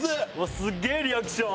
すげえリアクション！